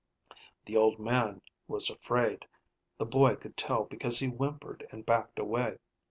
The old man was afraid. The boy could tell because he whimpered and backed away.